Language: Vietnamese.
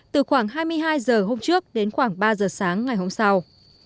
từ khoảng hai mươi hai giờ hôm trước đến khoảng ba giờ sáng ngày hôm sau